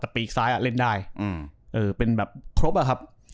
ปีกซ้ายอ่ะเล่นได้เป็นแบบครบอ่ะครับ